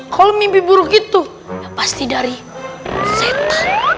kalau mimpi buruk itu ya pasti dari setan